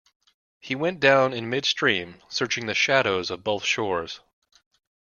He went down in midstream, searching the shadows of both shores.